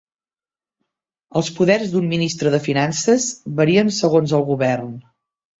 Els poders d'un ministre de finances varien segons el govern.